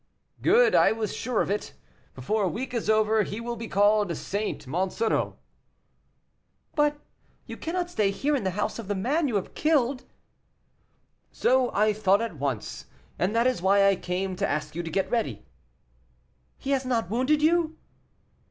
"Good; I was sure of it; before a week is over he will be called St. Monsoreau." "But you cannot stay here in the house of the man you have killed." "So I thought at once, and that is why I came to ask you to get ready." "He has not wounded you?"